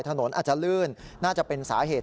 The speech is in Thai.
ถนนอาจจะลื่นน่าจะเป็นสาเหตุ